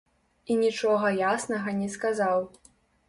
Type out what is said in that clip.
І нічога яснага не сказаў.